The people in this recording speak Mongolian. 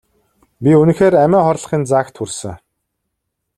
Би үнэхээр амиа хорлохын заагт хүрсэн.